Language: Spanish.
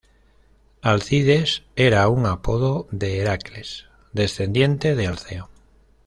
Alcides era un apodo de Heracles, descendiente de Alceo.